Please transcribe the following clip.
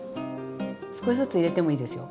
少しずつ入れてもいいですよ